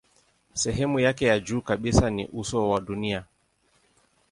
Sehemu yake ya juu kabisa ni uso wa dunia.